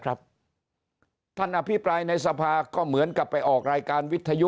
ครับท่านอภิปรายในสภาก็เหมือนกับไปออกรายการวิทยุ